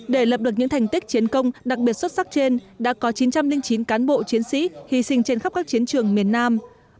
để lập được những thành tích chiến công đặc biệt xuất sắc trên đã có chín trăm linh chín cán bộ chiến sĩ hy sinh trên khắp các chiến trường miền nam